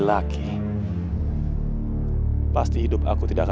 sampai jumpa lagi